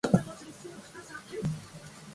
試しに一回。反応はない。何回かボタンを押す。反応はない。